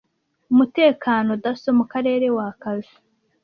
Umutekano DASSO mu Karere wakaze